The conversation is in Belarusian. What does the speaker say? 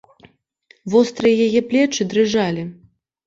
Вострыя яе плечы дрыжалі.